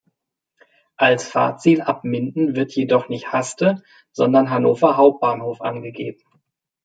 Als Fahrtziel ab Minden wird jedoch nicht Haste, sondern „Hannover Hbf“ angegeben.